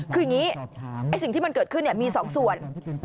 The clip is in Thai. คือสิ่งที่มันเกิดมี๒ส่วน